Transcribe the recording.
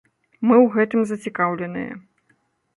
Мы ў гэтым зацікаўленыя.